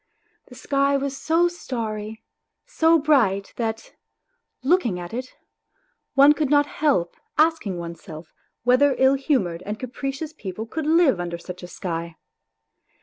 The sky was so starry, so bright that, looking at it, one could not help asking oneself whether ill humoured and capricious people could live under such a sky.